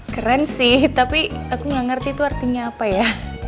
keren sih tapi aku gak ngerti itu artinya apa ya